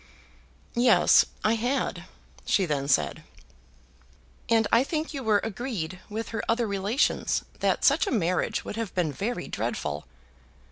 "Yes, I had," she then said. "And I think you were agreed, with her other relations, that such a marriage would have been very dreadful."